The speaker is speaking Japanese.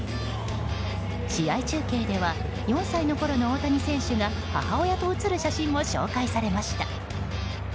試合中継では４歳のころの大谷選手が母親と写る写真も紹介されました。